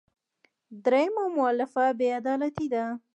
درېیمه مولفه بې عدالتي ده.